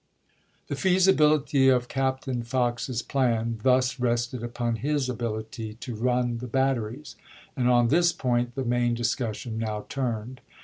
The feasibility of Captain Fox's plan thus rested upon his ability to " run the batteries," and on this point the main discussion now turned.